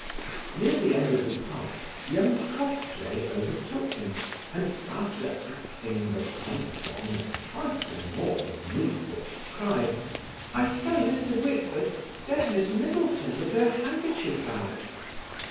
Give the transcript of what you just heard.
Near the end of the park young Crossjay overtook him, and after acting the pumped one a trifle more than needful, cried: "I say, Mr. Whitford, there's Miss Middleton with her handkerchief out."